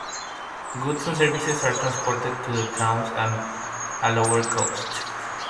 Goods and services are transported to the towns and at a lower cost.